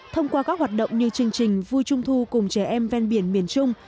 thông qua các hoạt động như chương trình vui trung thu cùng trẻ em ven biển miền trung